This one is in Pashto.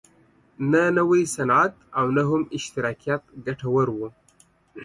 نه نوی صنعت او نه هم اشتراکیت ګټور و.